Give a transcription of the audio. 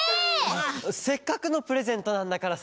せっかくのプレゼントなんだからさ。